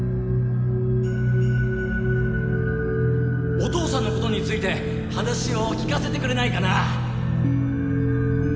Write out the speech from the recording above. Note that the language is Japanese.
お父さんのことについて話を聞かせてくれないかな？